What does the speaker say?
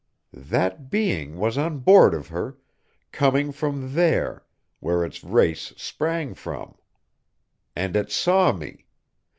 That Being was on board of her, coming from there, where its race sprang from. And it saw me!